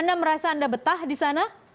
anda merasa anda betah di sana